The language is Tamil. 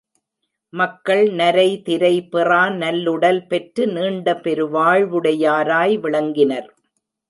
மக்கள் நரை திரை பெறா நல்லுடல் பெற்று நீண்ட பெருவாழ்வுடையராய் விளங்கினர்.